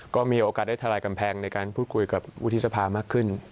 ก็มีโอกาสได้ทลายกำแพงในการพูดคุยกับวุฒิสภามากขึ้น